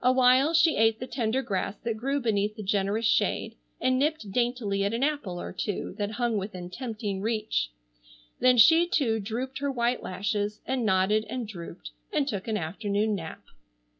Awhile she ate the tender grass that grew beneath the generous shade, and nipped daintily at an apple or two that hung within tempting reach. Then she too drooped her white lashes, and nodded and drooped, and took an afternoon nap.